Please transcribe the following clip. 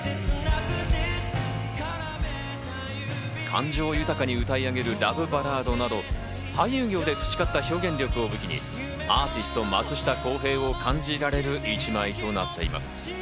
感情豊かに歌い上げるラブバラードなど、俳優業で培った表現力を武器にアーティスト・松下洸平を感じられる１枚となっています。